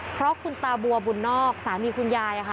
เพราะคุณตาบัวบุญนอกสามีคุณยายค่ะ